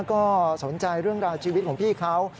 ก็สนใจเรื่องราวชีวิตของพี่เขา